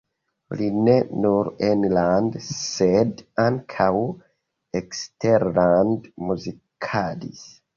Li ne nur enlande, sed ankaŭ eksterlande muzikadis.